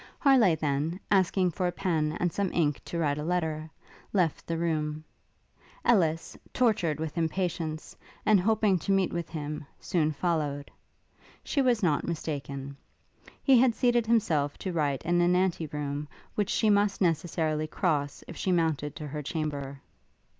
Harleigh then, asking for a pen and some ink to write a letter, left the room. Ellis, tortured with impatience, and hoping to meet with him, soon followed. She was not mistaken: he had seated himself to write in an ante room, which she must necessarily cross if she mounted to her chamber.